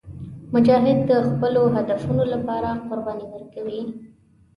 مجاهد د خپلو هدفونو لپاره قرباني ورکوي.